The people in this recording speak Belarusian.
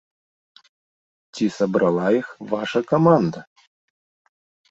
Ці сабрала іх ваша каманда?